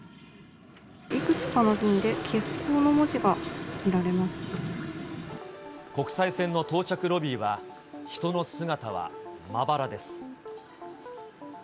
いくつかの便で欠航の文字が国際線の到着ロビーは、人の姿はまばらです。